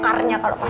kakaknya udah kebun